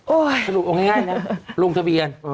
โอ๊ยง่ายลงทะเบียน